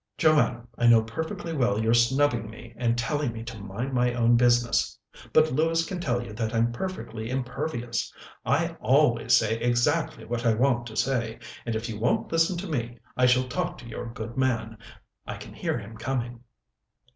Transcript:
"Joanna, I know perfectly well you're snubbing me and telling me to mind my own business, but Lewis can tell you that I'm perfectly impervious. I always say exactly what I want to say, and if you won't listen to me, I shall talk to your good man. I can hear him coming."